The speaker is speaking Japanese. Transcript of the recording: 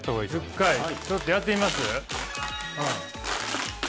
１０回ちょっとやってみます？